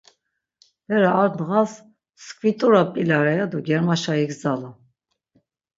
Bere ar ndğas mtskvit̆ura p̌ilare ya do germaşa igzalu.